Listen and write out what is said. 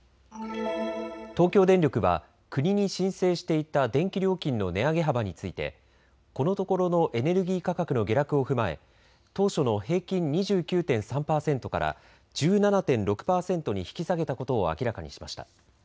東京電力は国に申請していた電気料金の値上げ幅についてこのところのエネルギー価格の下落を踏まえ当初の平均２９．３％から１７．６％に引き下げたことを明らかにしました。